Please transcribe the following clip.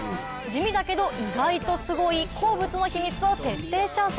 地味だけど意外とすごい鉱物の秘密を徹底調査。